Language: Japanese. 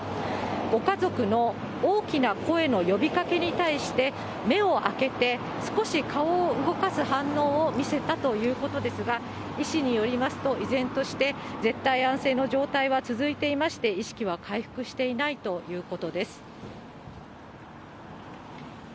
ご家族の大きな声の呼びかけに対して、目を開けて少し顔を動かす反応を見せたということですが、医師によりますと、依然として絶対安静の状態は続いていまして、意識は回復していないということです。